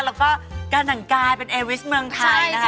แล้วก็การแต่งกายเป็นเอวิสเมืองไทยนะคะ